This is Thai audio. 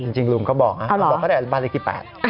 จริงลุงก็บอกนะลุงบอกก็ได้บ้านเลขที่๘